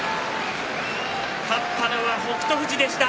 勝ったのは北勝富士でした。